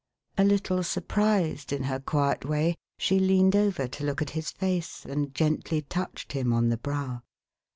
A little surprised, in her quiet way, she leaned over to look at his face, and gently touched him on the brow.